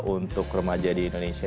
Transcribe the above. untuk remaja di indonesia